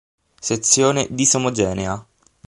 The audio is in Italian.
Sezione disomogenea.